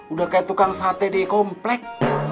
udah kayak tukang sate di komplek